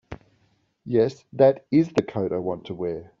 Yes, that IS the coat I want to wear.